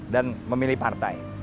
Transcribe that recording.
dan memilih partai